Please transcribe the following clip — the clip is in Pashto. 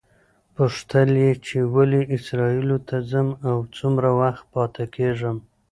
پوښتل یې چې ولې اسرائیلو ته ځم او څومره وخت پاتې کېږم.